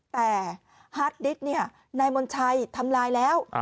แต่ฮาร์ดดิสต์เนี่ยนายมนชัยทำลายแล้ว